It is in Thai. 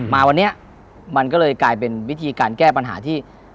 มาวันนี้มันก็เลยกลายเป็นวิธีการแก้ปัญหาที่